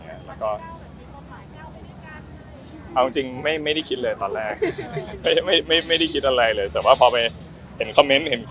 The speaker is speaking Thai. เอาจริงให้ไม่คิดเลยตอนแรก